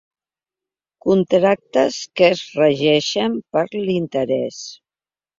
Contractes que es regeixen per l'interès.